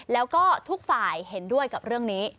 แล้วก็ทุกฝ่ายเห็นด้วยกับเรื่องนี้